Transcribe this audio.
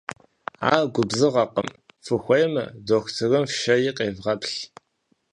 Ар губзыгъэкъым, фыхуейм дохутырым фшэи къевгъэплъ.